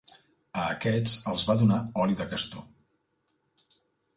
A aquests els va donar oli de castor.